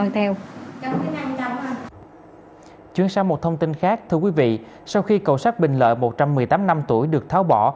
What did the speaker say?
thưa quý vị sau khi cầu sát bình lợi một trăm một mươi tám năm tuổi được tháo bỏ